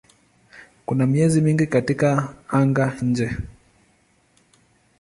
Kuna miezi mingi katika anga-nje.